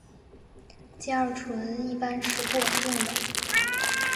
偕二醇一般是不稳定的。